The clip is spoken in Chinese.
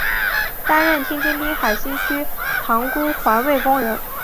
担任天津滨海新区塘沽环卫工人。